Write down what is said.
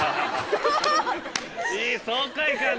いい爽快感ですね。